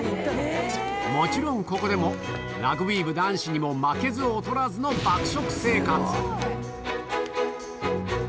もちろん、ここでも、ラグビー部男子にも負けず劣らずの爆食生活。